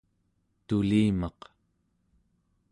tulimaq